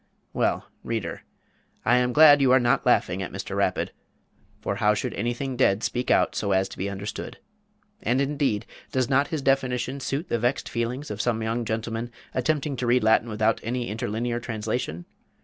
Well, reader, I am glad you are not laughing at Mr. Rapid; for how should anything dead speak out so as to be understood? And indeed, does not his definition suit the vexed feelings of some young gentlemen attempting to read Latin without any interlinear translation?